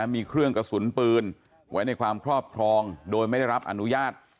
มีเครื่องกระสุนปืนไว้ในความครอบครองโดยไม่ได้รับอนุญาต